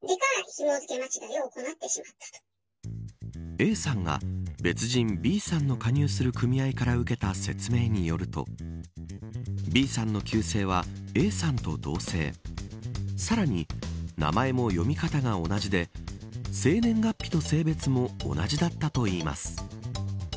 Ａさんが別人Ｂさんの加入する組合から受けた説明によるとＢさんの旧姓はＡさんと同姓さらに名前も読み方が同じで生年月日と性別も同じだったといいます。